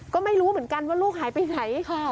ก็ไม่รู้เหมือนกันว่าลูกหายไปไหน